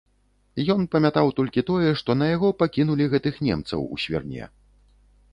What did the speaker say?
Ён памятаў толькі тое, што на яго пакінулі гэтых немцаў у свірне.